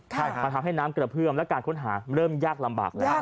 มันทำให้น้ำกระเพื่อมและการค้นหาเริ่มยากลำบากแล้ว